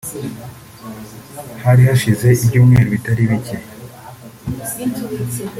Hari hashize ibyumweru bitari bike